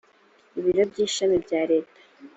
ibiro by ishami bya leta